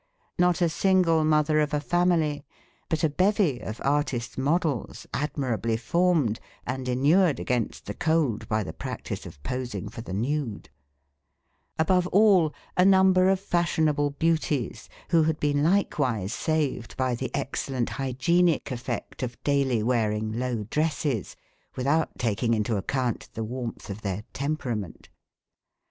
Not a single mother of a family, but a bevy of artists' models, admirably formed, and inured against the cold by the practice of posing for the nude; above all, a number of fashionable beauties, who had been likewise saved by the excellent hygienic effect of daily wearing low dresses, without taking into account the warmth of their temperament.